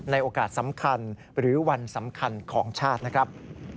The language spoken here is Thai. โอกาสสำคัญหรือวันสำคัญของชาตินะครับ